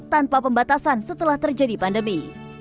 tanpa pembatasan setelah terjadi pandemi